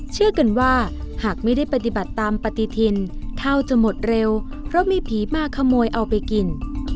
เชื่อกันว่าหากไม่ได้ปฏิบัติตามปฏิทินข้าวจะหมดเร็วเพราะมีผีมาขโมยเอาไปกิน